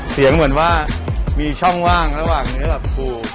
เสียงเหมือนว่ามีช่องว่างระหว่างเนื้อแบบปู